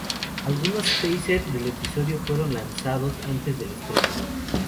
Algunos teaser del episodio fueron lanzados antes del estreno.